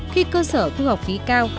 khi cơ sở thu học phí cao